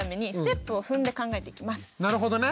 なるほどね。